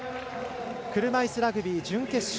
車いすラグビー準決勝。